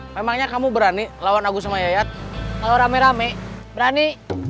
memangnya aku sama yayat masih suka kesini